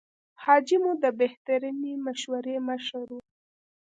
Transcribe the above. حاجي مو د بهترینې مشورې مشر و.